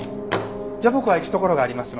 じゃあ僕は行くところがありますので。